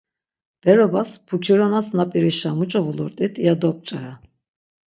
Berobas, purkinoras nap̌irişa muç̌o vulurt̆it iya dop̌ç̌ara.